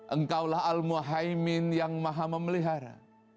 engkaulah al muhaimin yang maha memelihara